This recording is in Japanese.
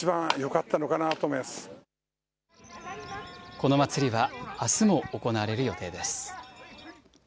この祭りは、あすも行われる予定です。